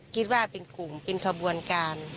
คิดว่าเป็นกลุ่มเป็นขบวนการ